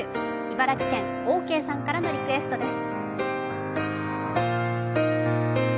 茨城県、オーケーさんからのリクエストです。